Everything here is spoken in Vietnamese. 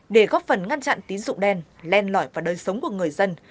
để góp phần ngăn chặn tín dụng đen len lõi và đời sống của người dân